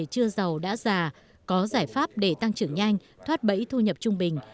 chưa giàu đã già có giải pháp để tăng trưởng nhanh thoát bẫy thu nhập trung bình